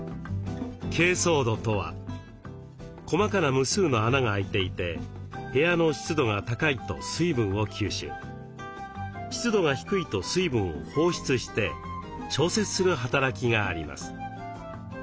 「珪藻土」とは細かな無数の穴が開いていて部屋の湿度が高いと水分を吸収湿度が低いと水分を放出して調節する働きがあります。